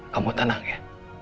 kamu tenang ya